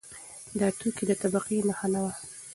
دا توکی د طبقې نښه نه وه.